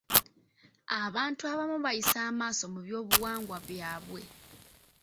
Abantu abamu bayisa amaaso mu by'obuwangwa byabwe.